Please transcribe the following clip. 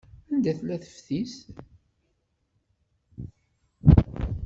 Anda tella teftist?